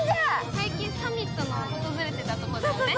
最近サミットで訪れていたところだよね。